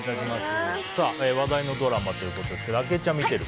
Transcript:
話題のドラマということですがあきえちゃんは見てる？